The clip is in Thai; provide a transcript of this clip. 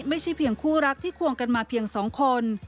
ไม่ใช่เพียงคู่รักที่ควงกันมาเพียง๒คน